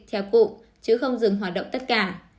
theo cụ chứ không dừng hoạt động tất cả